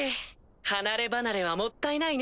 離れ離れはもったいないね。